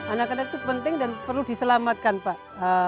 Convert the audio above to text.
anak anak itu penting dan perlu diselamatkan pak